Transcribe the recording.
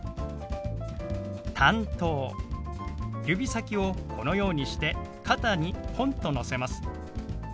指先をこのようにして肩にポンとのせます。